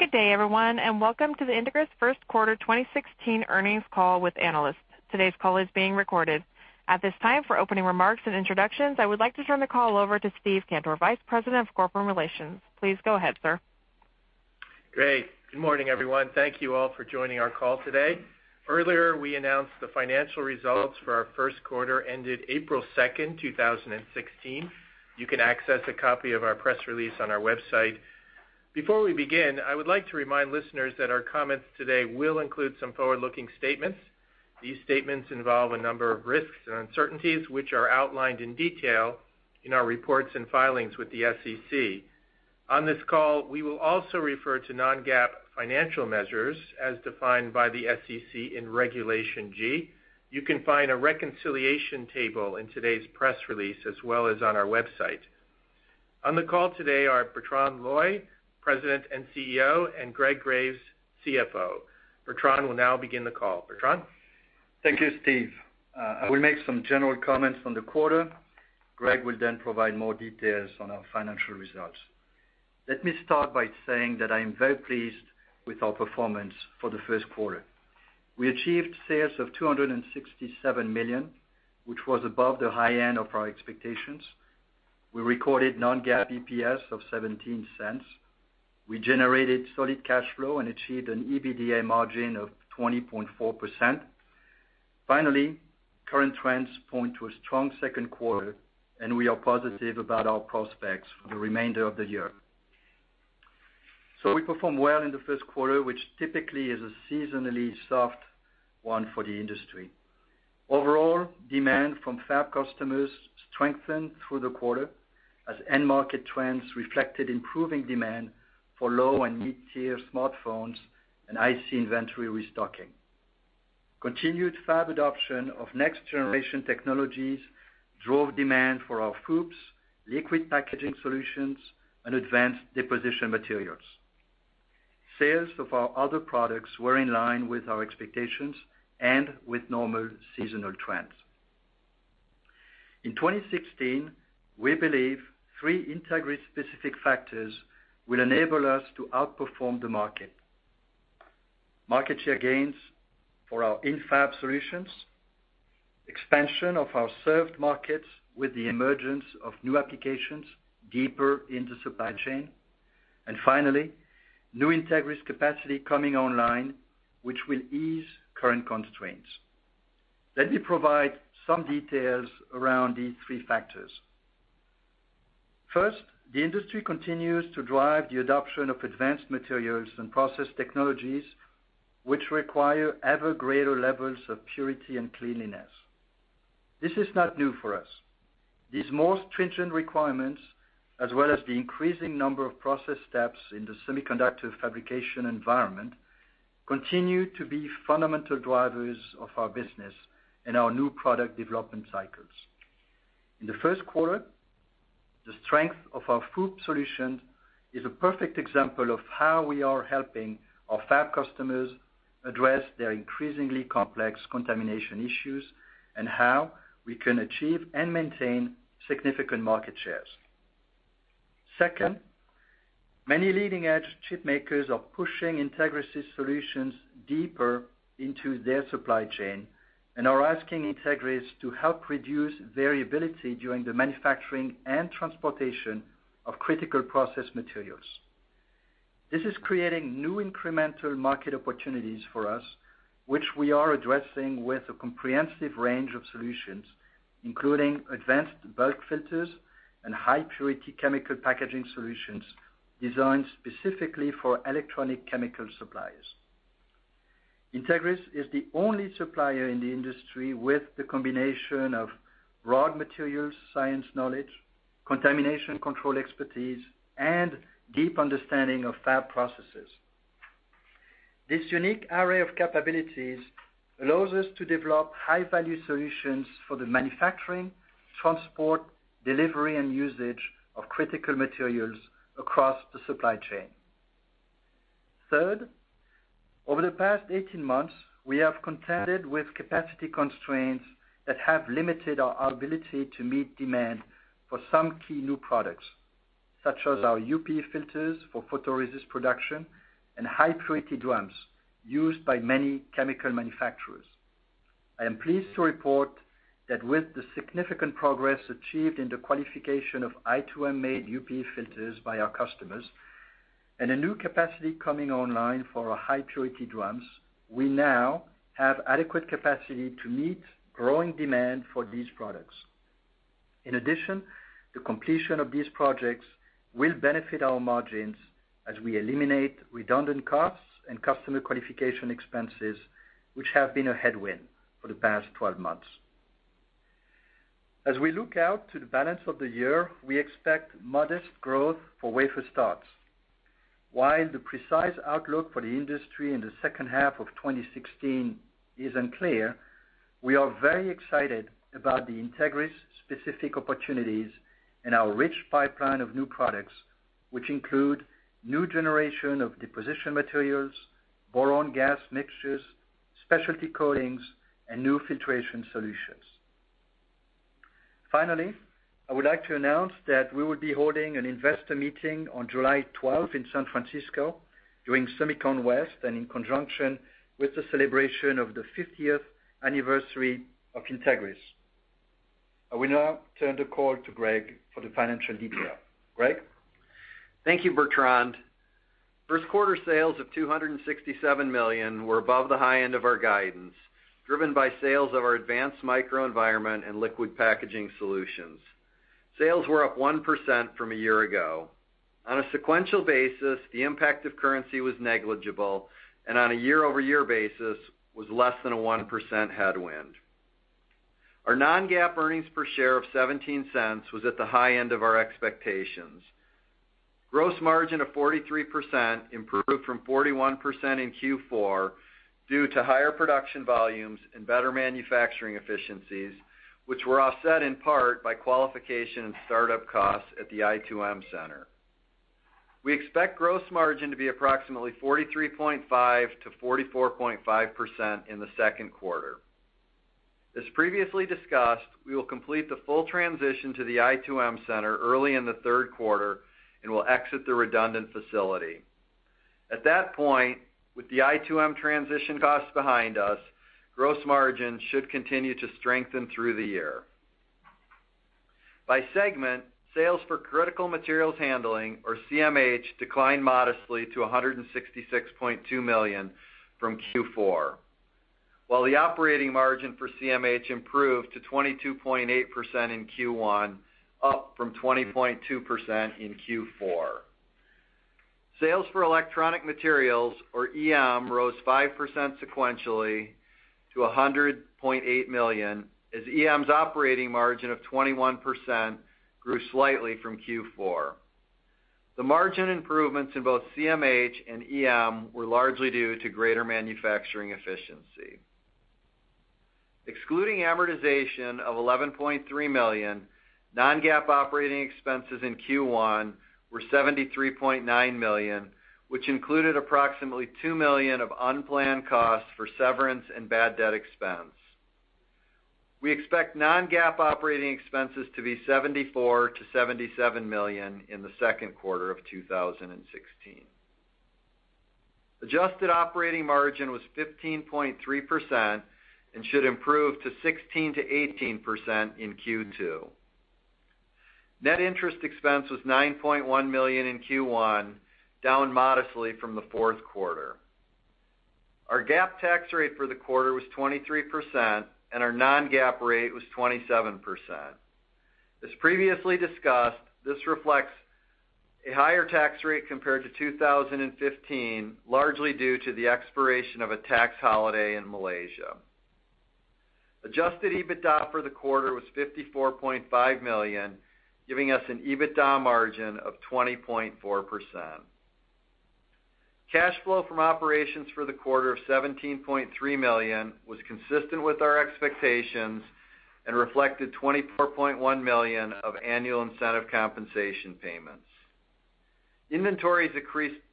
Good day, everyone. Welcome to the Entegris first quarter 2016 earnings call with analysts. Today's call is being recorded. At this time, for opening remarks and introductions, I would like to turn the call over to Steven Cantor, Vice President of Corporate Relations. Please go ahead, sir. Great. Good morning, everyone. Thank you all for joining our call today. Earlier, we announced the financial results for our first quarter ended April 2, 2016. You can access a copy of our press release on our website. Before we begin, I would like to remind listeners that our comments today will include some forward-looking statements. These statements involve a number of risks and uncertainties, which are outlined in detail in our reports and filings with the SEC. On this call, we will also refer to non-GAAP financial measures as defined by the SEC in Regulation G. You can find a reconciliation table in today's press release as well as on our website. On the call today are Bertrand Loy, President and CEO, and Gregory Graves, CFO. Bertrand will now begin the call. Bertrand? Thank you, Steve. I will make some general comments on the quarter. Greg will provide more details on our financial results. Let me start by saying that I am very pleased with our performance for the first quarter. We achieved sales of $267 million, which was above the high end of our expectations. We recorded non-GAAP EPS of $0.17. We generated solid cash flow and achieved an EBITDA margin of 20.4%. Current trends point to a strong second quarter, and we are positive about our prospects for the remainder of the year. We performed well in the first quarter, which typically is a seasonally soft one for the industry. Overall, demand from fab customers strengthened through the quarter as end market trends reflected improving demand for low and mid-tier smartphones and IC inventory restocking. Continued fab adoption of next-generation technologies drove demand for our FOUPs, liquid packaging solutions, and Advanced Deposition Materials. Sales of our other products were in line with our expectations and with normal seasonal trends. In 2016, we believe three Entegris specific factors will enable us to outperform the market. Market share gains for our in-fab solutions, expansion of our served markets with the emergence of new applications deeper into supply chain, and finally, new Entegris capacity coming online, which will ease current constraints. Let me provide some details around these three factors. First, the industry continues to drive the adoption of advanced materials and process technologies, which require ever greater levels of purity and cleanliness. This is not new for us. These more stringent requirements, as well as the increasing number of process steps in the semiconductor fabrication environment, continue to be fundamental drivers of our business and our new product development cycles. In the first quarter, the strength of our FOUP solution is a perfect example of how we are helping our fab customers address their increasingly complex contamination issues, and how we can achieve and maintain significant market shares. Second, many leading-edge chip makers are pushing Entegris solutions deeper into their supply chain and are asking Entegris to help reduce variability during the manufacturing and transportation of critical process materials. This is creating new incremental market opportunities for us, which we are addressing with a comprehensive range of solutions, including advanced bulk filters and high purity chemical packaging solutions designed specifically for electronic chemical suppliers. Entegris is the only supplier in the industry with the combination of raw material science knowledge, contamination control expertise, and deep understanding of fab processes. This unique array of capabilities allows us to develop high-value solutions for the manufacturing, transport, delivery, and usage of critical materials across the supply chain. Third, over the past 18 months, we have contended with capacity constraints that have limited our ability to meet demand for some key new products, such as our UPE filters for photoresist production and high purity drums used by many chemical manufacturers. I am pleased to report that with the significant progress achieved in the qualification of I2M-made UPE filters by our customers and a new capacity coming online for our high purity drums, we now have adequate capacity to meet growing demand for these products. The completion of these projects will benefit our margins as we eliminate redundant costs and customer qualification expenses, which have been a headwind for the past 12 months. As we look out to the balance of the year, we expect modest growth for wafer starts. While the precise outlook for the industry in the second half of 2016 is unclear, we are very excited about the Entegris specific opportunities and our rich pipeline of new products, which include new generation of deposition materials, boron gas mixtures, specialty coatings, and new filtration solutions. I would like to announce that we will be holding an investor meeting on July 12th in San Francisco during SEMICON West, and in conjunction with the celebration of the 50th anniversary of Entegris. I will now turn the call to Greg for the financial detail. Greg? Thank you, Bertrand. First quarter sales of $267 million were above the high end of our guidance, driven by sales of our advanced microenvironment and liquid packaging solutions. Sales were up 1% from a year ago. On a sequential basis, the impact of currency was negligible, and on a year-over-year basis, was less than a 1% headwind. Our non-GAAP earnings per share of $0.17 was at the high end of our expectations. Gross margin of 43% improved from 41% in Q4 due to higher production volumes and better manufacturing efficiencies, which were offset in part by qualification and startup costs at the I2M center. We expect gross margin to be approximately 43.5%-44.5% in the second quarter. As previously discussed, we will complete the full transition to the I2M center early in the third quarter and will exit the redundant facility. At that point, with the I2M transition cost behind us, gross margin should continue to strengthen through the year. By segment, sales for critical materials handling, or CMH, declined modestly to $166.2 million from Q4, while the operating margin for CMH improved to 22.8% in Q1, up from 20.2% in Q4. Sales for electronic materials, or EM, rose 5% sequentially to $100.8 million, as EM's operating margin of 21% grew slightly from Q4. The margin improvements in both CMH and EM were largely due to greater manufacturing efficiency. Excluding amortization of $11.3 million, non-GAAP operating expenses in Q1 were $73.9 million, which included approximately $2 million of unplanned costs for severance and bad debt expense. We expect non-GAAP operating expenses to be $74 million-$77 million in the second quarter of 2016. Adjusted operating margin was 15.3% and should improve to 16%-18% in Q2. Net interest expense was $9.1 million in Q1, down modestly from the fourth quarter. Our GAAP tax rate for the quarter was 23%, and our non-GAAP rate was 27%. As previously discussed, this reflects a higher tax rate compared to 2015, largely due to the expiration of a tax holiday in Malaysia. Adjusted EBITDA for the quarter was $54.5 million, giving us an EBITDA margin of 20.4%. Cash flow from operations for the quarter of $17.3 million was consistent with our expectations and reflected $24.1 million of annual incentive compensation payments. Inventories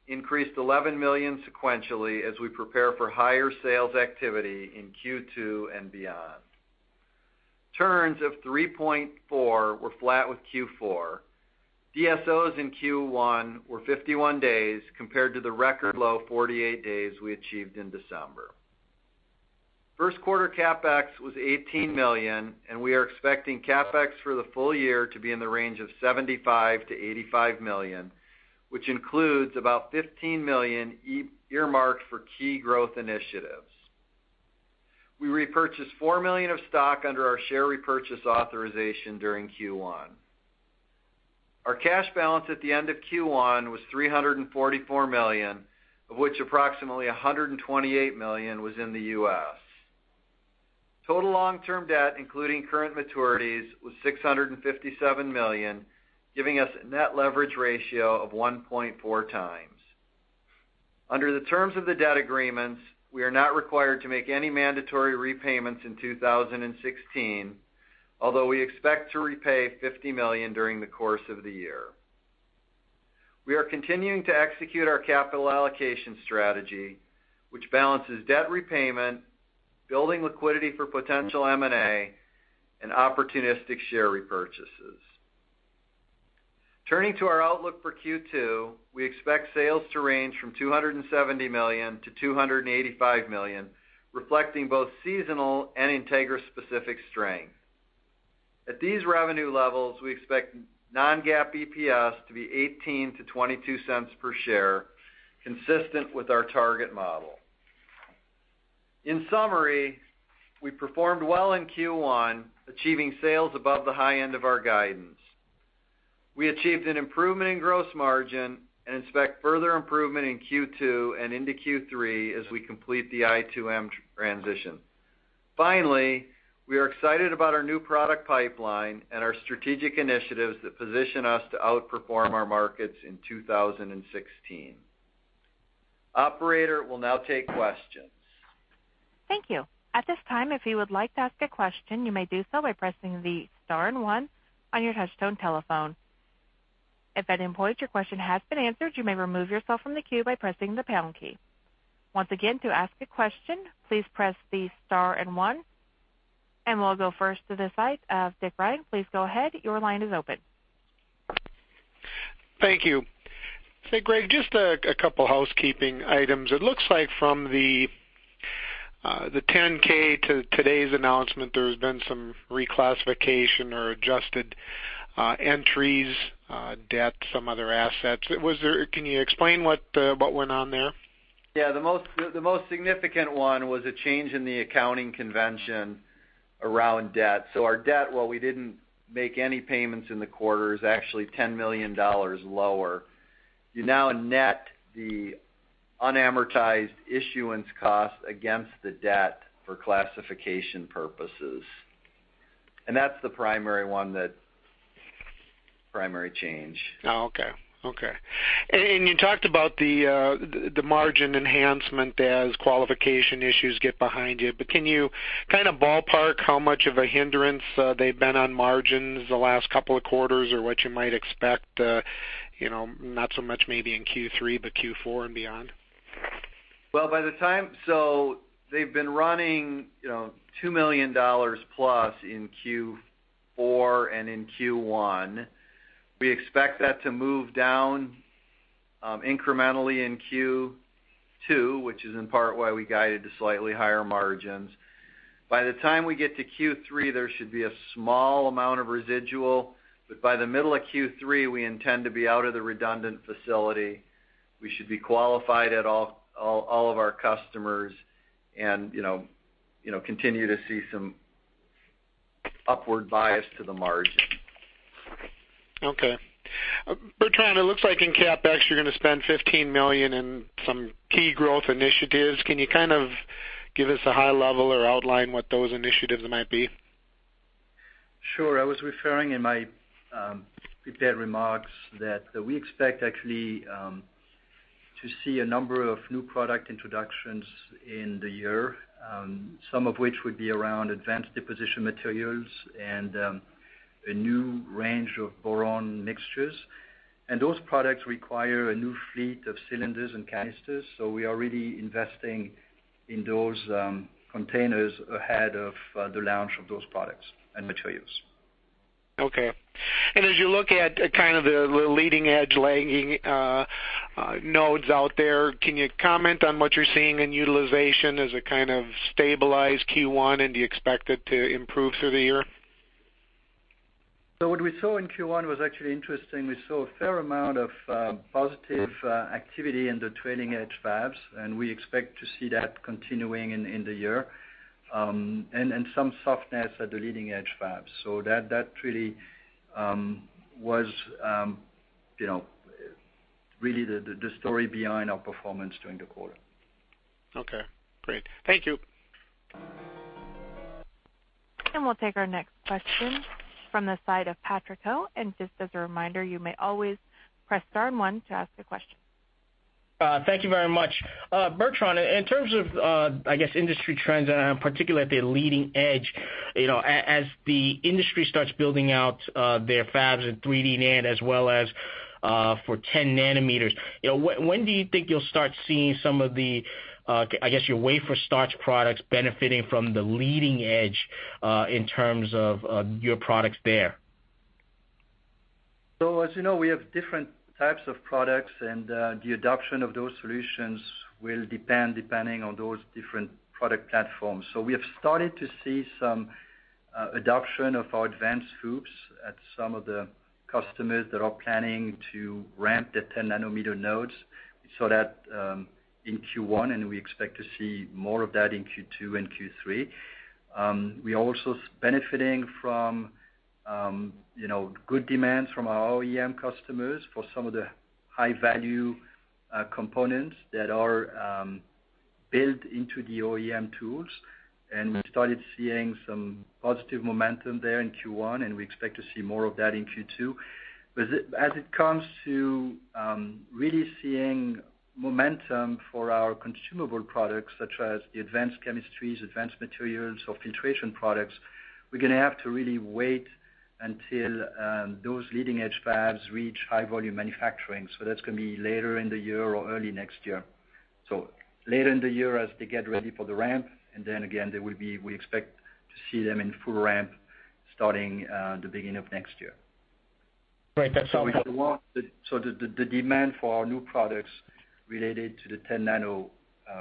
increased $11 million sequentially as we prepare for higher sales activity in Q2 and beyond. Turns of 3.4 were flat with Q4. DSOs in Q1 were 51 days compared to the record low 48 days we achieved in December. First quarter CapEx was $18 million, and we are expecting CapEx for the full year to be in the range of $75 million-$85 million, which includes about $15 million earmarked for key growth initiatives. We repurchased $4 million of stock under our share repurchase authorization during Q1. Our cash balance at the end of Q1 was $344 million, of which approximately $128 million was in the U.S. Total long-term debt, including current maturities, was $657 million, giving us a net leverage ratio of 1.4 times. Under the terms of the debt agreements, we are not required to make any mandatory repayments in 2016, although we expect to repay $50 million during the course of the year. We are continuing to execute our capital allocation strategy, which balances debt repayment, building liquidity for potential M&A, and opportunistic share repurchases. Turning to our outlook for Q2, we expect sales to range from $270 million-$285 million, reflecting both seasonal and Entegris-specific strength. At these revenue levels, we expect non-GAAP EPS to be $0.18-$0.22 per share, consistent with our target model. In summary, we performed well in Q1, achieving sales above the high end of our guidance. We achieved an improvement in gross margin and expect further improvement in Q2 and into Q3 as we complete the I2M transition. Finally, we are excited about our new product pipeline and our strategic initiatives that position us to outperform our markets in 2016. Operator, we'll now take questions. Thank you. At this time, if you would like to ask a question, you may do so by pressing the star and one on your touchtone telephone. If at any point your question has been answered, you may remove yourself from the queue by pressing the pound key. Once again, to ask a question, please press the star and one. We'll go first to the side of Dick Ragan. Please go ahead. Your line is open. Thank you. Hey, Greg, just a couple housekeeping items. It looks like from the 10K to today's announcement, there has been some reclassification or adjusted entries, debt, some other assets. Can you explain what went on there? Yeah. The most significant one was a change in the accounting convention around debt. Our debt, while we didn't make any payments in the quarter, is actually $10 million lower. You now net the unamortized issuance cost against the debt for classification purposes. That's the primary one, the primary change. Oh, okay. You talked about the margin enhancement as qualification issues get behind you, but can you ballpark how much of a hindrance they've been on margins the last couple of quarters or what you might expect, not so much maybe in Q3, but Q4 and beyond? They've been running $2 million plus in Q4 and in Q1. We expect that to move down incrementally in Q2, which is in part why we guided to slightly higher margins. By the time we get to Q3, there should be a small amount of residual, but by the middle of Q3, we intend to be out of the redundant facility. We should be qualified at all of our customers and continue to see some upward bias to the margin. Okay. Bertrand, it looks like in CapEx, you're going to spend $15 million in some key growth initiatives. Can you kind of give us a high level or outline what those initiatives might be? Sure. I was referring in my prepared remarks that we expect actually to see a number of new product introductions in the year, some of which would be around Advanced Deposition Materials and a new range of Boron Mixtures. Those products require a new fleet of cylinders and canisters, so we are really investing in those containers ahead of the launch of those products and materials. Okay. As you look at kind of the leading edge lagging nodes out there, can you comment on what you're seeing in utilization as it kind of stabilized Q1, and do you expect it to improve through the year? What we saw in Q1 was actually interesting. We saw a fair amount of positive activity in the trailing edge fabs, and we expect to see that continuing in the year, and some softness at the leading edge fabs. That really was the story behind our performance during the quarter. Okay, great. Thank you. We'll take our next question from the side of Patrick Ho, and just as a reminder, you may always press star and one to ask a question. Thank you very much. Bertrand, in terms of, I guess, industry trends and particularly at the leading edge, as the industry starts building out their fabs in 3D NAND as well as for 10 nanometers, when do you think you'll start seeing some of the, I guess, your wafer starts products benefiting from the leading edge in terms of your products there? As you know, we have different types of products, and the adoption of those solutions will depend on those different product platforms. We have started to see some adoption of our advanced FOUPs at some of the customers that are planning to ramp the 10 nanometer nodes. We saw that in Q1, and we expect to see more of that in Q2 and Q3. We are also benefiting from good demands from our OEM customers for some of the high-value components that are built into the OEM tools, and we started seeing some positive momentum there in Q1, and we expect to see more of that in Q2. As it comes to really seeing momentum for our consumable products, such as the advanced chemistries, advanced materials, or filtration products, we're going to have to really wait until those leading-edge fabs reach high volume manufacturing. That's going to be later in the year or early next year. Later in the year as they get ready for the ramp, and then again, we expect to see them in full ramp starting the beginning of next year. Great. That's helpful. The demand for our new products related to the 10 nano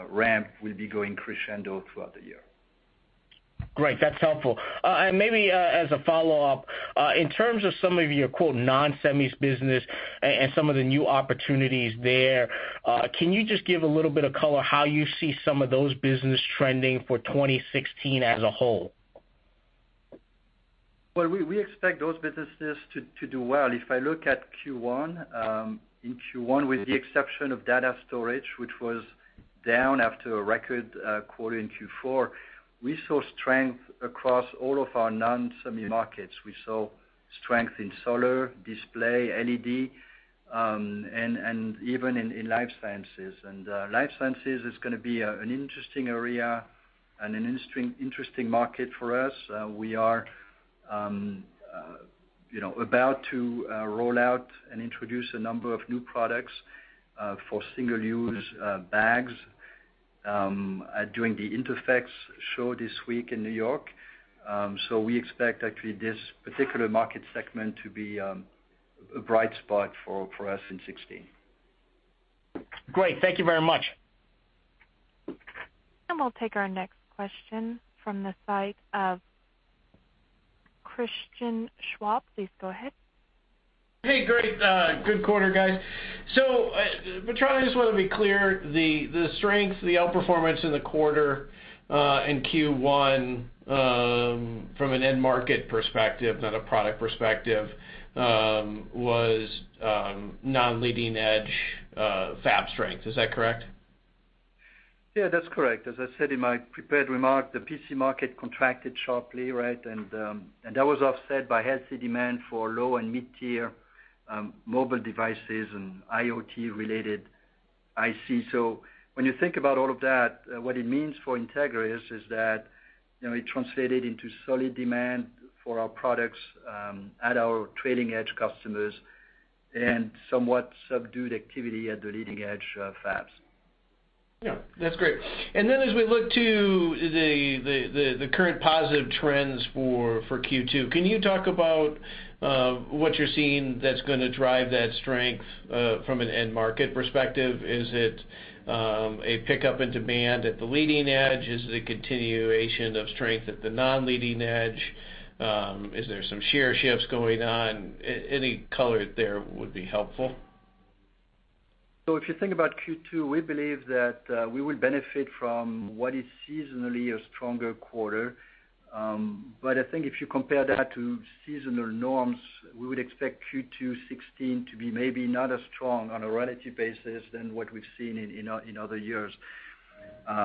ramp will be going crescendo throughout the year. Great. That's helpful. Maybe as a follow-up, in terms of some of your, quote, "non-semis" business and some of the new opportunities there, can you just give a little bit of color how you see some of those business trending for 2016 as a whole? Well, we expect those businesses to do well. If I look at Q1, in Q1, with the exception of data storage, which was down after a record quarter in Q4, we saw strength across all of our non-semi markets. We saw strength in solar, display, LED. Even in life sciences. Life sciences is going to be an interesting area and an interesting market for us. We are about to roll out and introduce a number of new products for single-use bags during the INTERPHEX show this week in New York. We expect, actually, this particular market segment to be a bright spot for us in 2016. Great. Thank you very much. We'll take our next question from the site of Christian Schwab. Please go ahead. Hey, great. Good quarter, guys. Bertrand, I just want to be clear, the strength, the outperformance in the quarter in Q1 from an end market perspective, not a product perspective, was non-leading-edge fab strength. Is that correct? Yeah, that's correct. As I said in my prepared remark, the PC market contracted sharply, right? That was offset by healthy demand for low and mid-tier mobile devices and IoT-related ICs. When you think about all of that, what it means for Entegris is that it translated into solid demand for our products at our trailing edge customers and somewhat subdued activity at the leading edge fabs. Yeah, that's great. As we look to the current positive trends for Q2, can you talk about what you're seeing that's going to drive that strength from an end market perspective? Is it a pickup in demand at the leading edge? Is it a continuation of strength at the non-leading edge? Is there some share shifts going on? Any color there would be helpful. If you think about Q2, we believe that we will benefit from what is seasonally a stronger quarter. I think if you compare that to seasonal norms, we would expect Q2 2016 to be maybe not as strong on a relative basis than what we've seen in other years.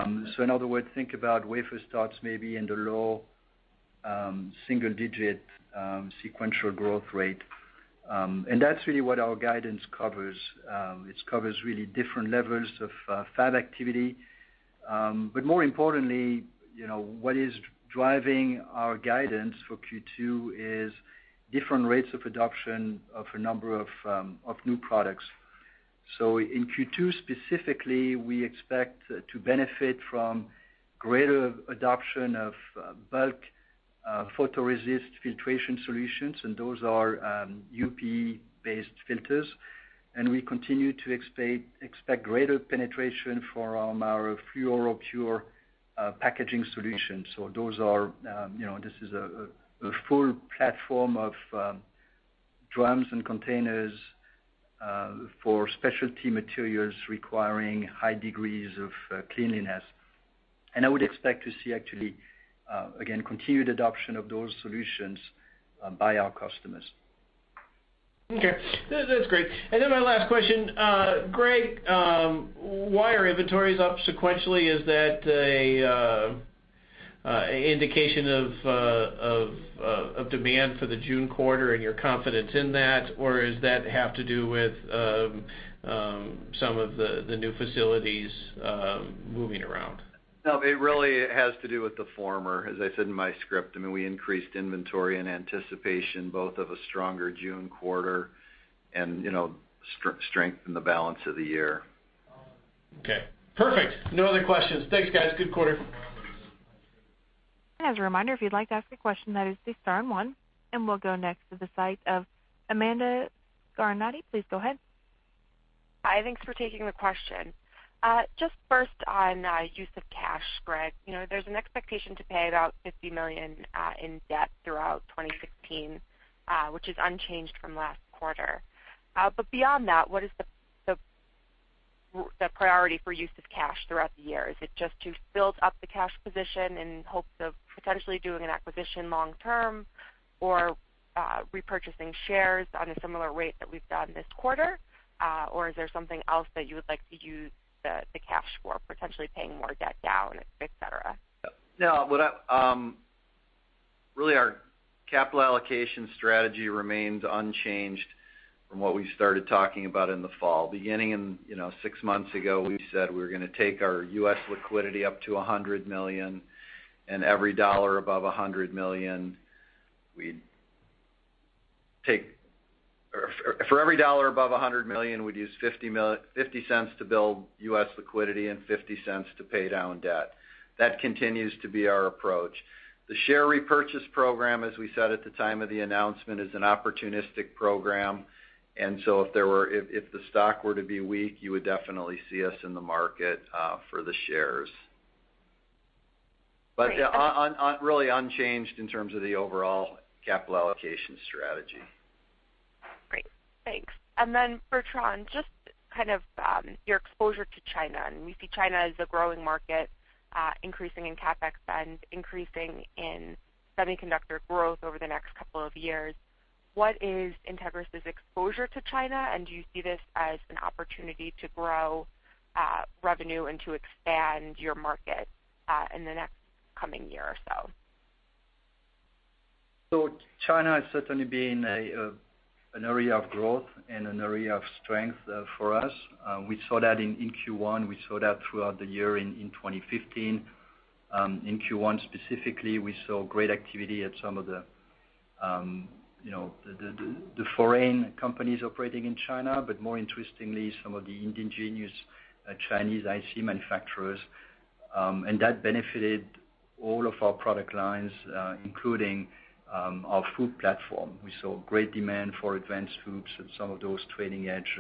In other words, think about wafer starts maybe in the low single-digit sequential growth rate. That's really what our guidance covers. It covers really different levels of fab activity. More importantly, what is driving our guidance for Q2 is different rates of adoption of a number of new products. In Q2 specifically, we expect to benefit from greater adoption of bulk photoresist filtration solutions, and those are UPE-based filters. We continue to expect greater penetration for our FluoroPure packaging solutions. This is a full platform of drums and containers for specialty materials requiring high degrees of cleanliness. I would expect to see actually, again, continued adoption of those solutions by our customers. Okay. That's great. Then my last question. Greg, why are inventories up sequentially? Is that an indication of demand for the June quarter and your confidence in that, or does that have to do with some of the new facilities moving around? No, it really has to do with the former, as I said in my script. We increased inventory in anticipation both of a stronger June quarter and strength in the balance of the year. Okay, perfect. No other questions. Thanks, guys. Good quarter. As a reminder, if you'd like to ask a question, that is star one. We'll go next to the site of Amanda Guarnotti. Please go ahead. Hi, thanks for taking the question. Just first on use of cash, Greg. There's an expectation to pay about $50 million in debt throughout 2016, which is unchanged from last quarter. Beyond that, what is the priority for use of cash throughout the year? Is it just to build up the cash position in hopes of potentially doing an acquisition long term, or repurchasing shares on a similar rate that we've done this quarter? Is there something else that you would like to use the cash for, potentially paying more debt down, et cetera? No. Really, our capital allocation strategy remains unchanged from what we started talking about in the fall. Beginning six months ago, we said we were going to take our U.S. liquidity up to $100 million, and for every dollar above $100 million, we'd use $0.50 to build U.S. liquidity and $0.50 to pay down debt. That continues to be our approach. The share repurchase program, as we said at the time of the announcement, is an opportunistic program. If the stock were to be weak, you would definitely see us in the market for the shares. Great. Really unchanged in terms of the overall capital allocation strategy. Great. Thanks. Bertrand, just your exposure to China, we see China as a growing market, increasing in CapEx spend, increasing in semiconductor growth over the next couple of years. What is Entegris' exposure to China, and do you see this as an opportunity to grow revenue and to expand your market in the next coming year or so? China has certainly been an area of growth and an area of strength for us. We saw that in Q1. We saw that throughout the year in 2015. In Q1 specifically, we saw great activity at some of the foreign companies operating in China, but more interestingly, some of the indigenous Chinese IC manufacturers. That benefited all of our product lines, including our FOUP platform. We saw great demand for advanced FOUPs at some of those trailing-edge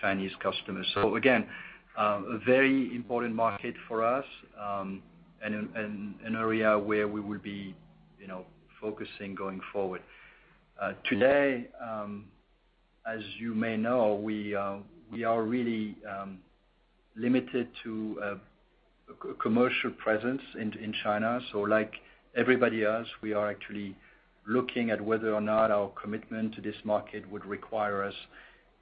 Chinese customers. Again, a very important market for us, and an area where we will be focusing going forward. Today, as you may know, we are really limited to commercial presence in China. Like everybody else, we are actually looking at whether or not our commitment to this market would require us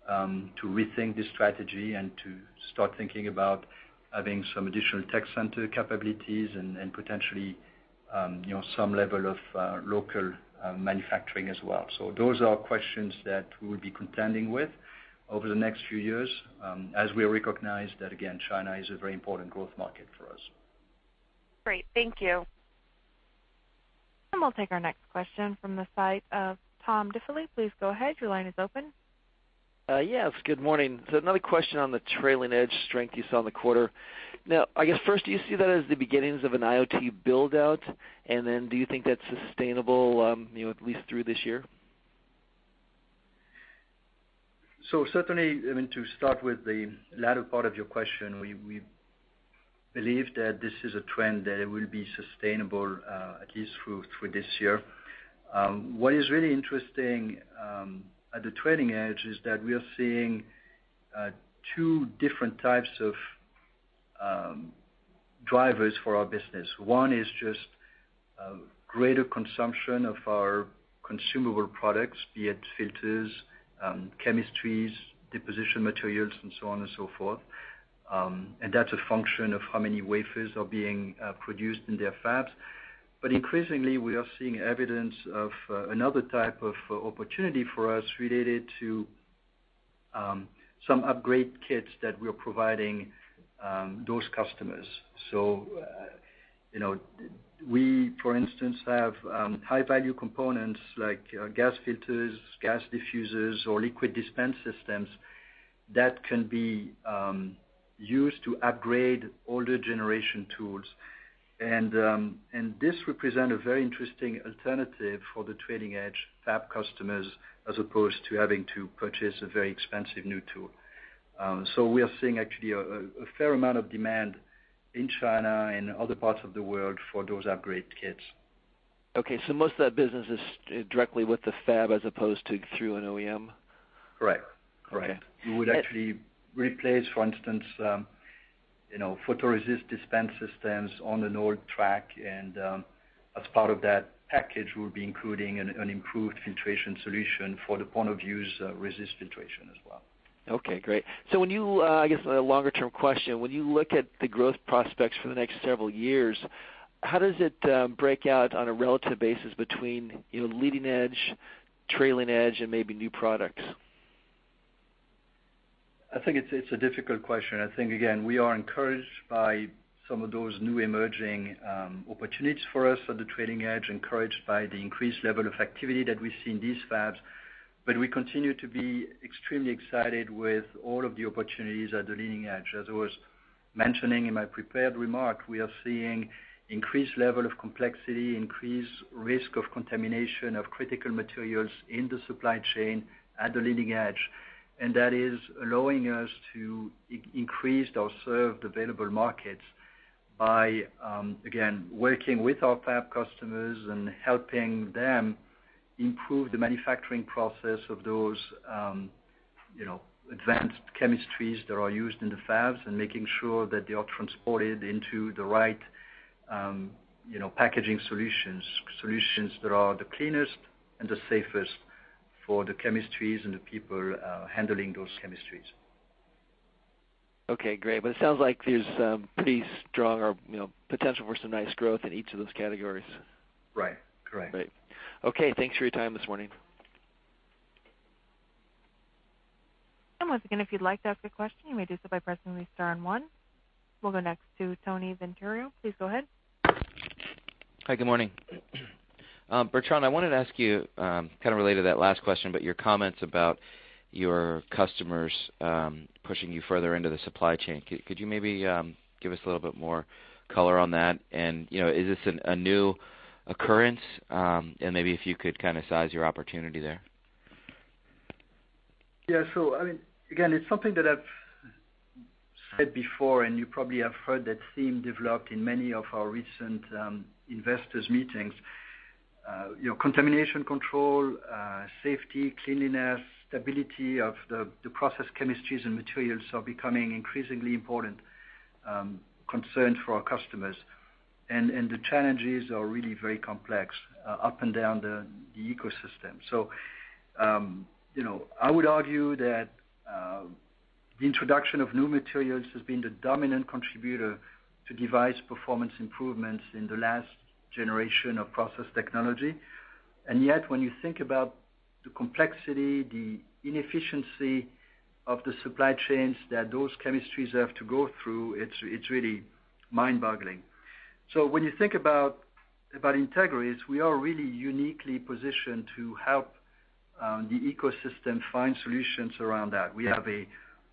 to rethink the strategy and to start thinking about having some additional tech center capabilities and potentially some level of local manufacturing as well. Those are questions that we will be contending with over the next few years, as we recognize that, again, China is a very important growth market for us. Great. Thank you. We'll take our next question from the site of Tom Diffely. Please go ahead. Your line is open. Yes, good morning. Another question on the trailing-edge strength you saw in the quarter. I guess first, do you see that as the beginnings of an IoT build-out? Do you think that's sustainable at least through this year? Certainly, I mean, to start with the latter part of your question, we believe that this is a trend that will be sustainable, at least through this year. What is really interesting, at the trailing edge is that we are seeing two different types of drivers for our business. One is just greater consumption of our consumable products, be it filters, chemistries, deposition materials, and so on and so forth. That's a function of how many wafers are being produced in their fabs. Increasingly, we are seeing evidence of another type of opportunity for us related to some upgrade kits that we're providing those customers. We, for instance, have high-value components like Gas Filters, Gas Diffusers or Liquid Dispense Systems that can be used to upgrade older generation tools. This represent a very interesting alternative for the trailing-edge fab customers, as opposed to having to purchase a very expensive new tool. We are seeing actually a fair amount of demand in China and other parts of the world for those upgrade kits. Okay. Most of that business is directly with the fab as opposed to through an OEM? Correct. Okay. We would actually replace, for instance, photoresist dispense systems on an old track and, as part of that package, we'll be including an improved filtration solution for the point of use resist filtration as well. Okay, great. When you, I guess a longer-term question, when you look at the growth prospects for the next several years, how does it break out on a relative basis between leading edge, trailing edge, and maybe new products? I think it's a difficult question. I think, again, we are encouraged by some of those new emerging opportunities for us at the trailing edge, encouraged by the increased level of activity that we see in these fabs. We continue to be extremely excited with all of the opportunities at the leading edge. As I was mentioning in my prepared remark, we are seeing increased level of complexity, increased risk of contamination of critical materials in the supply chain at the leading edge, and that is allowing us to increase or serve the available markets by, again, working with our fab customers and helping them improve the manufacturing process of those advanced chemistries that are used in the fabs and making sure that they are transported into the right packaging solutions that are the cleanest and the safest for the chemistries and the people handling those chemistries. Okay, great. It sounds like there's pretty strong or potential for some nice growth in each of those categories. Right. Great. Okay, thanks for your time this morning. Once again, if you'd like to ask a question, you may do so by pressing star and one. We'll go next to Tony Vinciquerra. Please go ahead. Hi, good morning. Bertrand, I wanted to ask you, kind of related to that last question, but your comments about your customers pushing you further into the supply chain. Could you maybe give us a little bit more color on that? Is this a new occurrence? Maybe if you could kind of size your opportunity there. I mean, again, it's something that I've said before. You probably have heard that theme developed in many of our recent investors meetings. Contamination control, safety, cleanliness, stability of the process chemistries and materials are becoming an increasingly important concern for our customers. The challenges are really very complex, up and down the ecosystem. I would argue that the introduction of new materials has been the dominant contributor to device performance improvements in the last generation of process technology. Yet, when you think about the complexity, the inefficiency of the supply chains that those chemistries have to go through, it's really mind-boggling. When you think about Entegris, we are really uniquely positioned to help the ecosystem find solutions around that. We have a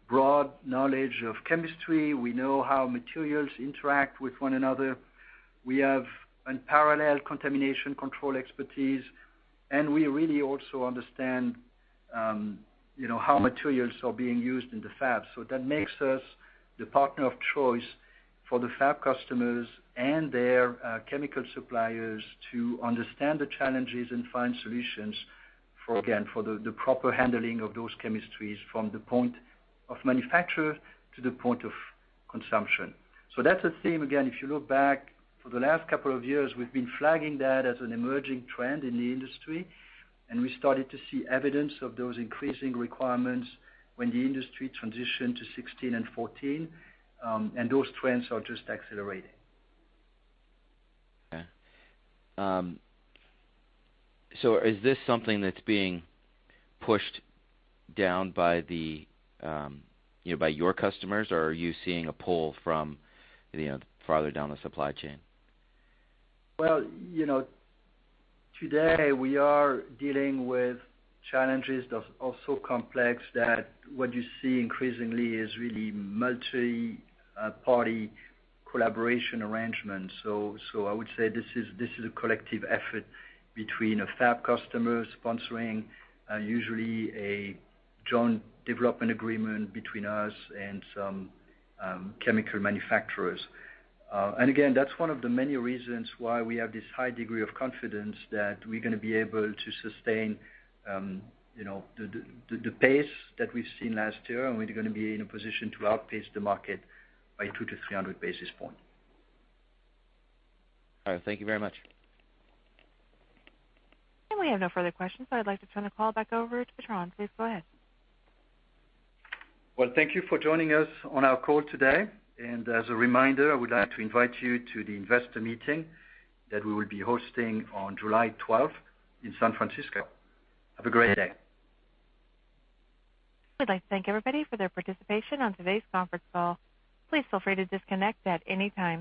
broad knowledge of chemistry. We know how materials interact with one another. We have unparalleled contamination control expertise. We really also understand how materials are being used in the fab. That makes us the partner of choice for the fab customers and their chemical suppliers to understand the challenges and find solutions, again, for the proper handling of those chemistries from the point of manufacture to the point of consumption. That's a theme, again, if you look back for the last couple of years, we've been flagging that as an emerging trend in the industry. We started to see evidence of those increasing requirements when the industry transitioned to 16 and 14, and those trends are just accelerating. Okay. Is this something that's being pushed down by your customers, or are you seeing a pull from farther down the supply chain? Well, today we are dealing with challenges of also complex, that what you see increasingly is really multi-party collaboration arrangements. I would say this is a collective effort between a fab customer sponsoring, usually a joint development agreement between us and some chemical manufacturers. Again, that's one of the many reasons why we have this high degree of confidence that we're going to be able to sustain the pace that we've seen last year, and we're going to be in a position to outpace the market by 200 to 300 basis points. All right. Thank you very much. We have no further questions, so I'd like to turn the call back over to Bertrand. Please go ahead. Well, thank you for joining us on our call today, and as a reminder, I would like to invite you to the investor meeting that we will be hosting on July 12th in San Francisco. Have a great day. We'd like to thank everybody for their participation on today's conference call. Please feel free to disconnect at any time.